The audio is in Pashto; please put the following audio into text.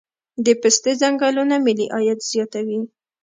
د پستې ځنګلونه ملي عاید زیاتوي